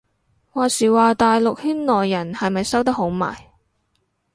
話時話大陸圈內人係咪收得好埋